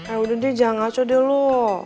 eh udah deh jangan ngaco deh lo